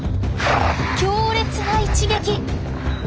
強烈な一撃！